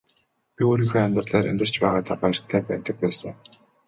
Би өөрийнхөө амьдралаар амьдарч байгаадаа баяртай байдаг байсан.